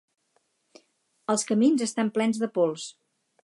Els camins estan plens de pols